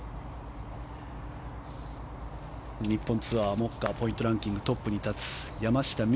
日本ツアーポイントランキングトップに立つ山下美